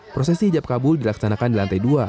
prosesi ijab kabul dilaksanakan di lantai dua